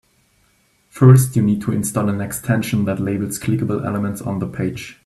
First, you need to install an extension that labels clickable elements on the page.